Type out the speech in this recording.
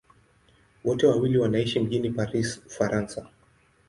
Wote wawili wanaishi mjini Paris, Ufaransa.